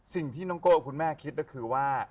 สิ่งที่น้องโก้กับคุณแม่คิดก็คือว่า